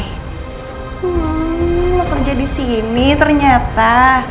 hmm kerja disini ternyata